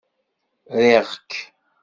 Ṛjiɣ-k.